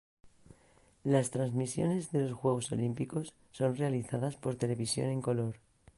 Las transmisiones de los Juegos Olímpicos son realizadas por televisión en color.